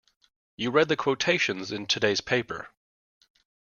You read the quotations in today's paper.